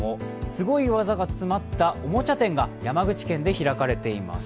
すごい技が詰まったおもちゃ展が山口県で開かれています。